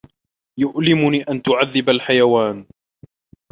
يُؤْلِمُني أَنْ تُعَذِّبَ الْحَيَوَانَ.